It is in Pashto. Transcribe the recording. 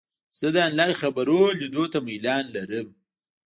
زه د انلاین خپرونو لیدو ته میلان لرم.